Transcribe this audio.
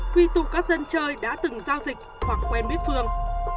quy tụ các dân chơi đã từng giao dịch hoặc quen biết phương